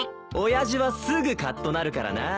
親父はすぐカッとなるからな。